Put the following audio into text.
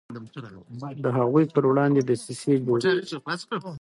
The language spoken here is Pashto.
د هغوی پر وړاندې دسیسې جوړیږي.